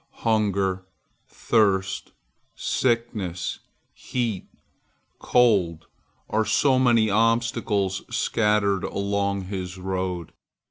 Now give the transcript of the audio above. Hunger, thirst, sickness, heat, cold, are so many obstacles scattered along his road.